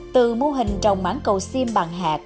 từ mô hình trồng mãn cầu xiêm bằng hạt